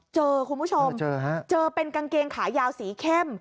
เจอคุณผู้ชมเจอเป็นกางเกงขายาวสีเข้ม